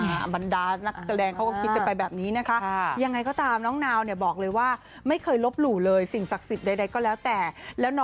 บรรดานักแสดงเขาก็คิดกันไปแบบนี้นะคะยังไงก็ตามน้องนาวเนี่ยบอกเลยว่าไม่เคยลบหลู่เลยสิ่งศักดิ์สิทธิ์ใดก็แล้วแต่